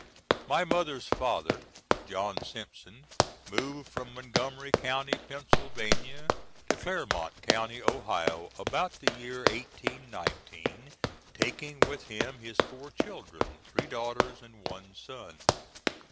My mother's father, John Simpson, moved from Montgomery County, Pennsylvania, to Clermont County, Ohio, about the year 1819, taking with him his four children, three daughters and one son.